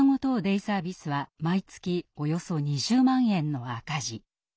デイサービスは毎月およそ２０万円の赤字。